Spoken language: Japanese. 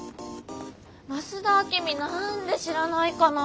増田明美何で知らないかな。